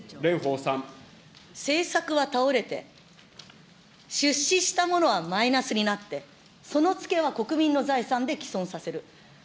政策は倒れて、出資したものはマイナスになって、そのつけは国民の財産できそんさせる。